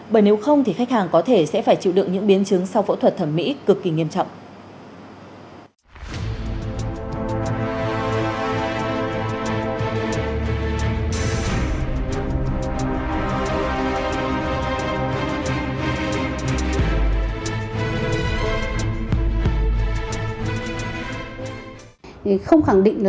bởi nếu không thì khách hàng có thể sẽ phải chịu được những biến chứng sau phẫu thuật thẩm mỹ cực kỳ nghiêm trọng